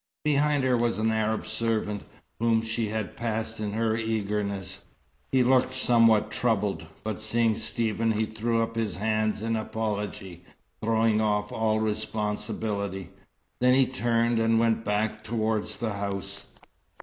Behind her was an Arab servant, whom she had passed in her eagerness. He looked somewhat troubled, but seeing Stephen he threw up his hands in apology, throwing off all responsibility. Then he turned and went back towards the house.